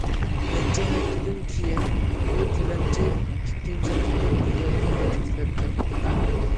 نەچچە ھەپتىدىن كېيىن، بۇ تىلەمچى ئىككىنچى قېتىم بۇ يەرگە يەنە تىلەپ كەپتۇ.